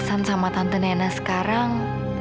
seperti yang kutip punya cukup